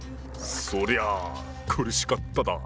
そりゃあ苦しかっただ。